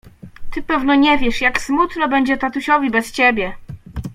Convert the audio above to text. — Ty pewno nie wiesz, jak smutno będzie tatusiowi bez ciebie!